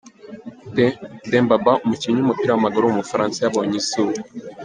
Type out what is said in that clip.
Demba Ba, umukinnyi w’umupira w’amaguru w’umufaransa yabonye izuba.